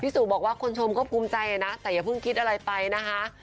สู่บอกว่าคนชมก็ภูมิใจนะแต่อย่าเพิ่งคิดอะไรไปนะคะ